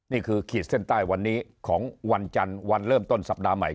ขีดเส้นใต้วันนี้ของวันจันทร์วันเริ่มต้นสัปดาห์ใหม่